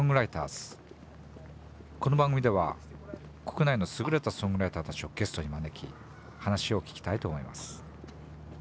この番組では国内の優れたソングライターたちをゲストに招き話を聞きたいと思います。